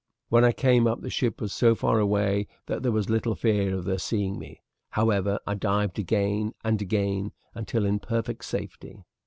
When I came up the ship was so far away that there was little fear of their seeing me; however, I dived again and again until in perfect safety.